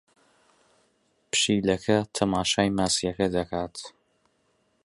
پشیلەکە تەماشای ماسییەکە دەکات.